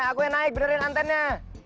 aku yang naik benerin antennya